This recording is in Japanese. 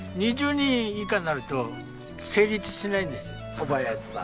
小林さん。